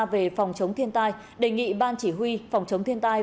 về phòng chống thiên tai đề nghị ban chỉ huy phòng chống thiên tai